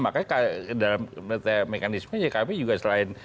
makanya dalam mekanisme jkp juga selain